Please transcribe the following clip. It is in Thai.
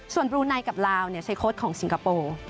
ส่วนบลูไนกับลาวใช้โค้ดของสิงคโปร์